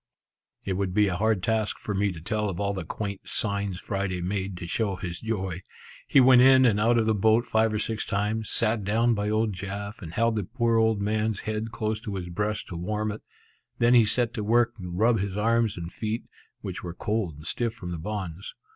It would be a hard task for me to tell of all the quaint, signs Friday made to show his joy. He went in and out of the boat five or six times, sat down by old Jaf, and held the poor old man's head close to his breast to warm it; then he set to work to rub his arms and feet, which were cold and stiff from the bonds.